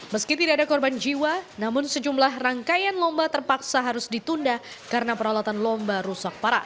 meski tidak ada korban jiwa namun sejumlah rangkaian lomba terpaksa harus ditunda karena peralatan lomba rusak parah